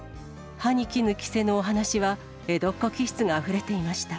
歯にきぬ着せぬお話は江戸っ子気質があふれていました。